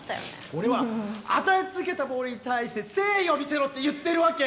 俺は与え続けたものに対して誠意を見せろって言ってるわけ。